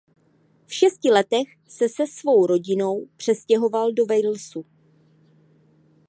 V šesti letech se se svou rodinou přestěhoval do Walesu.